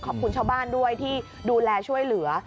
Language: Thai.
ขอบคุณชาวบ้านด้วยที่ดูแลช่วยเหลือ